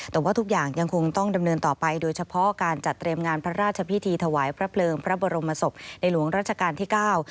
แต่ว่าทุกอย่างยังคงต้องดำเนินต่อไปโดยเฉพาะการจัดเตรียมงานพระราชพิธีถวายพระเพลิงพระบรมศพในหลวงราชการที่เก้า